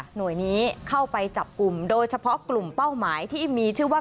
หน่วยนี้เข้าไปจับกลุ่มโดยเฉพาะกลุ่มเป้าหมายที่มีชื่อว่า